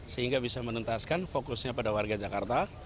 sehingga bisa menuntaskan fokusnya pada warga jakarta